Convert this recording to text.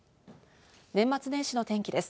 年末年始の天気です。